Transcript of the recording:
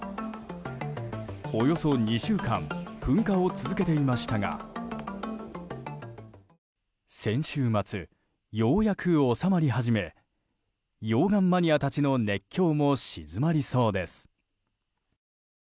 およそ２週間噴火を続けていましたが先週末、ようやく収まり始め溶岩マニアたちの熱狂も静まりそうです。